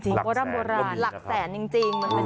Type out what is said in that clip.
หลักแสนหลักแสนจริง